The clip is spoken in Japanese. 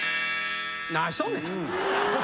なにしとんねん！